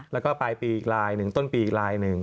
แล้วก็ปลายปีอีกลายหนึ่งต้นปีอีกลายหนึ่ง